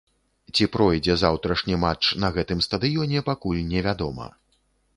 Ці пройдзе заўтрашні матч на гэтым стадыёне, пакуль невядома.